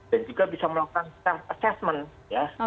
dan juga bisa melakukan assessment ya